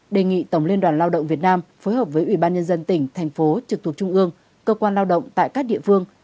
đề nghị tổng liên đoàn lao động việt nam phối hợp với ủy ban nhân dân tỉnh thành phố trực thuộc trung ương cơ quan lao động tại các địa phương